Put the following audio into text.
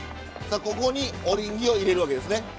ここにオリンギを入れるわけですね。